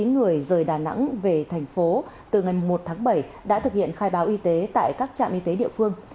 năm mươi hai bốn trăm bốn mươi chín người rời đà nẵng về tp hcm từ ngày một tháng bảy đã thực hiện khai báo y tế tại các trạm y tế địa phương